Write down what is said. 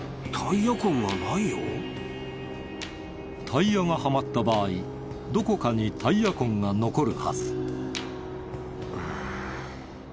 タイヤがはまった場合どこかにタイヤ痕が残るはず。